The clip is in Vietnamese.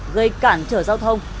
gây cản trở giao thông